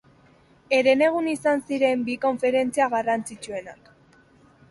Herenegun izan ziren bi konferentzia garrantzitsuenak.